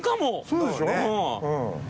そうでしょ？